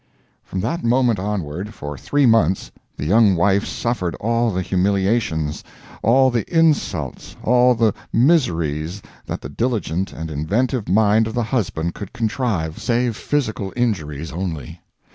From that moment onward, for three months, the young wife suffered all the humiliations, all the insults, all the miseries that the diligent and inventive mind of the husband could contrive, save physical injuries only.